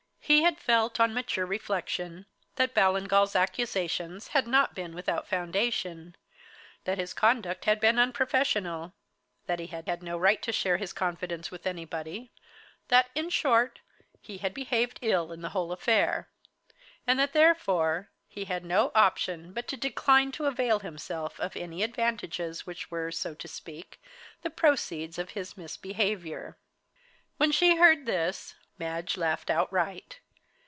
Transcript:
He had felt, on mature reflection, that Ballingall's accusations had not been without foundation, that his conduct had been unprofessional, that he had had no right to share his confidence with anybody that, in short, he had behaved ill in the whole affair; and that, therefore, he had no option but to decline to avail himself of any advantages which were, so to speak, the proceeds of his misbehaviour. When she heard this, Madge laughed outright.